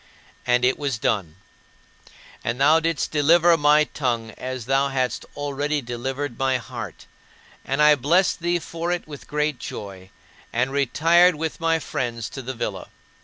And it was done. And thou didst deliver my tongue as thou hadst already delivered my heart; and I blessed thee for it with great joy, and retired with my friends to the villa.